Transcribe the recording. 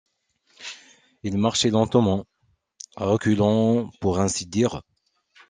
Ils marchaient lentement, à reculons pour ainsi dire